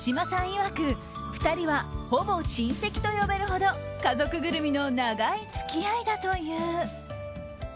いわく２人は、ほぼ親戚と呼べるほど家族ぐるみの長い付き合いだという。